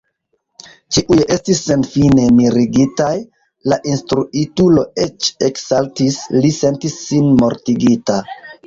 Ĉiuj estis senfine mirigitaj, la instruitulo eĉ eksaltis; li sentis sin mortigita!